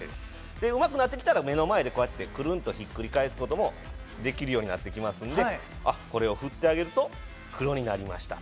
うまくなってきたら目の前でこうやってくるんとひっくり返すこともできるようになってきますので、これを振ってあげると黒になりました。